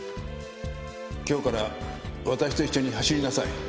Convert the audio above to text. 今日から私と一緒に走りなさい。